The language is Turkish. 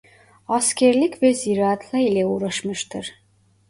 Askerlik ve ziraatla ile uğraşmıştır.